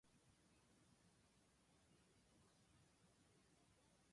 お、お前もスタンド使いか？